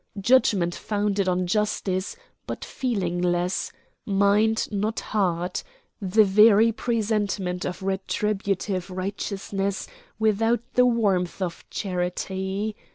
Judgment founded on justice, but feelingless; mind, not heart; the very presentment of retributive righteousness without the warmth of charity.